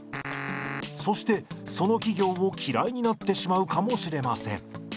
そしてその企業を嫌いになってしまうかもしれません。